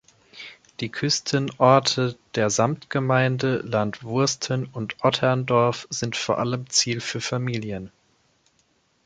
Die Küstenorte der Samtgemeinde Land Wursten und Otterndorf sind vor allem Ziel für Familien.